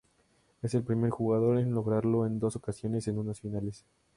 Es el primer jugador en lograrlo en dos ocasiones en unas finales.